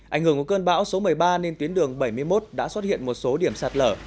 ảnh hưởng của cơn bão số một mươi ba nên tuyến đường bảy mươi một đã xuất hiện một số điểm sạt lở